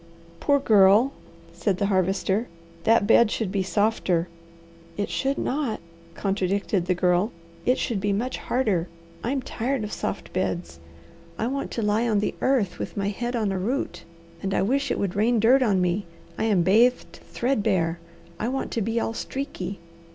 "Poor girl," said the Harvester. "That bed should be softer." "It should not!" contradicted the Girl. "It should be much harder. I'm tired of soft beds. I want to lie on the earth, with my head on a root; and I wish it would rain dirt on me. I am bathed threadbare. I want to be all streaky."